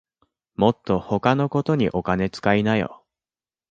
もっと他のことにお金つかいなよ